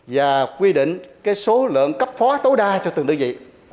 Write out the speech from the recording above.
và quy định số lượng cấp phó tối đa cho từng đơn vị